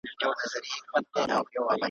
د رنځ علاج مو یو دی، یو مو دی درمان وطنه ,